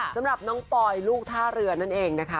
สำหรับน้องปอยลูกท่าเรือนั่นเองนะคะ